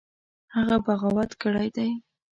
هغه بغاوت کړی دی.